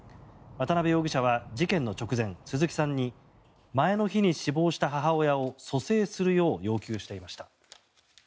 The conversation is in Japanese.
渡辺容疑者は事件の直前、鈴木さんに前の日に死亡した母親を蘇生するよう要求していました。